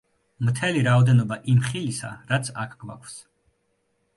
მთელი რაოდენობა იმ ხილისა რაც აქ გვაქვს.